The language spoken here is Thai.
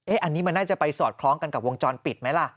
อันนี้มันน่าจะไปสอดคล้องกันกับวงจรปิดไหมล่ะ